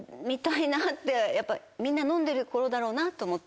みんな飲んでる頃だろうなと思って。